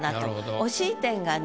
惜しい点がね